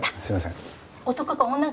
すいません。